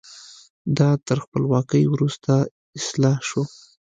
دا تر خپلواکۍ وروسته اصلاح شو.